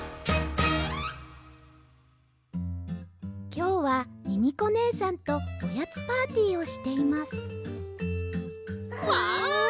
きょうはミミコねえさんとおやつパーティーをしていますわあ！